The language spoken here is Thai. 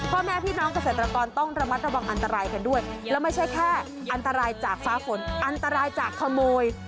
พ่อแม่พี่น้องเกษตรกรต้องระมัดระวังอันตรายกันด้วยแล้วไม่ใช่แค่อันตรายจากฟ้าฝนอันตรายจากขโมย